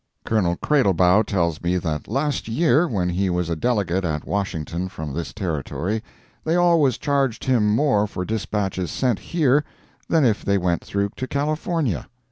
Colonel Cradlebaugh tells me that last year, when he was a delegate at Washington from this Territory, they always charged him more for dispatches sent here than if they went through to California.